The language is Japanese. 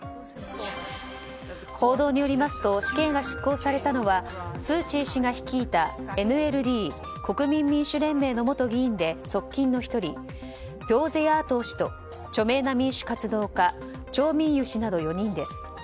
報道によりますと死刑が執行されたのはスー・チー氏が率いたＮＬＤ・国民民主連盟の元議員で側近の１人ピョーゼヤートー氏と著名な民主活動家チョーミンユ氏など４人です。